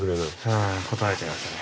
はい断られちゃいましたね。